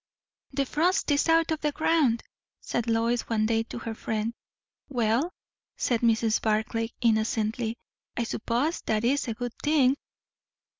"The frost is out of the ground!" said Lois one day to her friend. "Well," said Mrs. Barclay innocently; "I suppose that is a good thing."